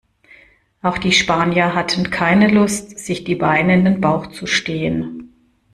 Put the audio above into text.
Auch die Spanier hatten keine Lust, sich die Beine in den Bauch zu stehen.